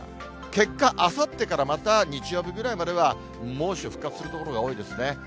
結果、あさってからまた日曜日ぐらいまでは猛暑復活する所が多いですね。